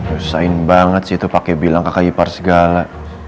usahain banget sih itu pakai bilang kakek ipar segala